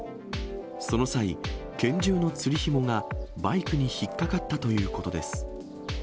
その際、拳銃のつりひもがバイクに引っ掛かったということです。